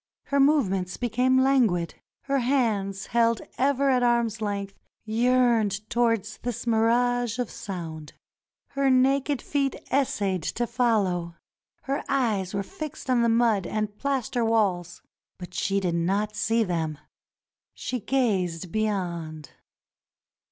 Her movements became languid. Her hands, held ever at arm's length, 365 NORTHERN AFRICA yearned towards this mirage of sound. Her naked feet essayed to follow. Her eyes were fixed on the mud and plaster walls, but she did not see them. She gazed be yond.